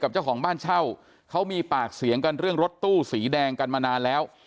เจ้าของบ้านเช่าเขามีปากเสียงกันเรื่องรถตู้สีแดงกันมานานแล้ว